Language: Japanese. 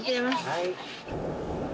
はい。